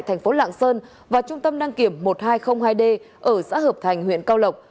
thành phố lạng sơn và trung tâm đăng kiểm một nghìn hai trăm linh hai d ở xã hợp thành huyện cao lộc